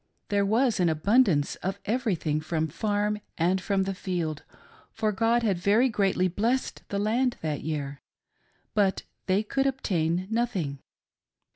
There was abund ance of everything from the farm and from the iield, for God had very greatly blessed the land that year ; but they could obtain nothing.